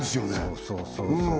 そうそうそうそう